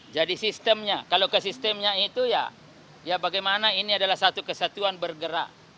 jadi sistemnya kalau ke sistemnya itu ya bagaimana ini adalah satu kesatuan bergerak